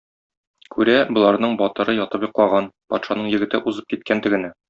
Күрә: боларның батыры ятып йоклаган, патшаның егете узып киткән тегене.